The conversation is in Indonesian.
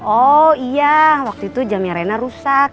oh iya waktu itu jamnya reina rusak